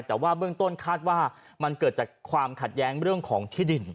แต่ว่าเบื้องต้นคาดว่ามันเกิดจากความขัดแย้งเรื่องของที่ดิน